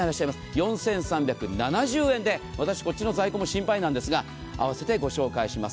４３７０円で、私こっちの在庫も心配なんですが合わせてご紹介します。